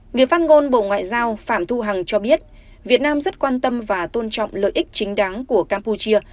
người phát ngôn bộ ngoại giao phạm thu hằng cho biết việt nam rất quan tâm và tôn trọng lợi ích chính đáng của campuchia